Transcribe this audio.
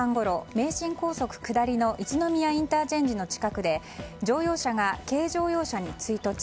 名神高速下りの一宮ＩＣの近くで乗用車が軽乗用車に追突。